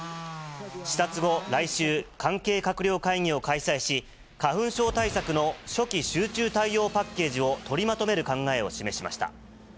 視察後、来週、関係閣僚会議を開催し、花粉症対策の初期集中対応パッケージを取りまとめる考えを示しました。